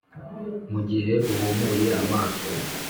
mugihe uhumuye amaso,